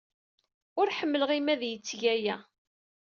Ur ḥemmleɣ mi ad yetteg aya.